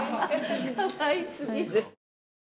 かわいすぎる。